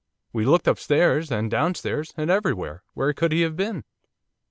We looked upstairs, and downstairs, and everywhere where could he have been?